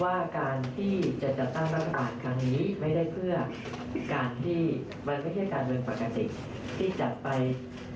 ว่าการที่จะจัดตั้งรัฐบาลครั้งนี้ไม่ได้เพื่อการที่มันไม่ใช่การเมืองปกติที่จะไป